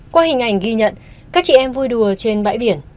qua hình ảnh ghi nhận các chị em vui đùa trên bãi biển